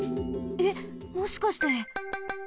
えっもしかして。